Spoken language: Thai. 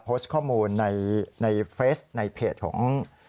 โพสต์ข้อมูลในเฟสในเพจของ